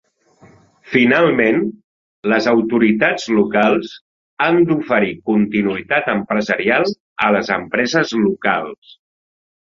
Finalment, les autoritats locals han d"oferir continuïtat empresarial a les empreses locals.